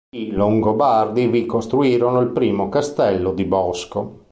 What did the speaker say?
I Longobardi vi costruirono il primo castello di Bosco.